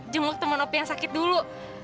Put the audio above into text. jemput temen upi yang sakit dulu